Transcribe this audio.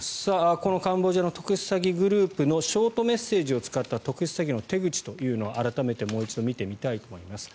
このカンボジアの特殊詐欺グループのショートメッセージを使った特殊詐欺の手口というのを改めてもう一度見てみたいと思います。